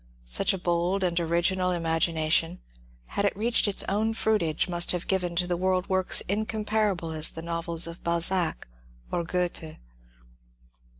Such a bold and original imagination, had it reached its own fruitage, must have given to the world works incom parable as the novels of Balzac or Goethe.